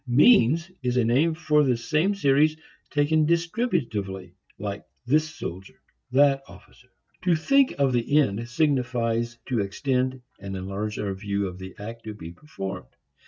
"Means" is a name for the same series taken distributively like this soldier, that officer. To think of the end signifies to extend and enlarge our view of the act to be performed.